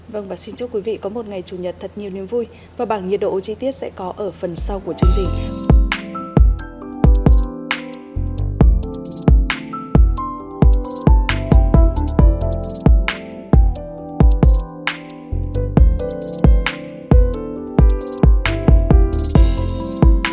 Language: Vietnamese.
vâng và xin chúc quý vị có một ngày chủ nhật thật nhiều niềm vui và bảng nhiệt độ chi tiết sẽ có ở phần sau của chương trình